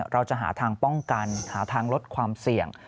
เราจะหาทางป้องกันหาทางลดความเสี่ยง